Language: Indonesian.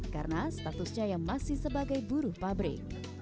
karena statusnya yang masih sebagai buruh pabrik